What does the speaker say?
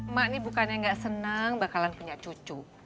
mak ini bukannya nggak senang bakalan punya cucu